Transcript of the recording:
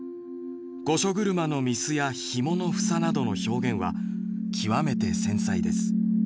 御所車の御簾やひもの房などの表現は極めて繊細です。